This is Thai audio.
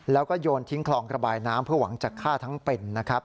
แล้วก็โยนทิ้งคลองระบายน้ำเพื่อหวังจะฆ่าทั้งเป็นนะครับ